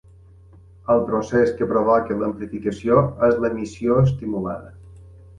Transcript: El procés que provoca l'amplificació és l'emissió estimulada.